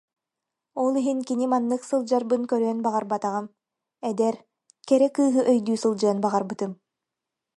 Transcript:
Ол иһин кини маннык сылдьарбын көрүөн баҕарбатаҕым, эдэр, кэрэ кыыһы өйдүү сылдьыан баҕарбытым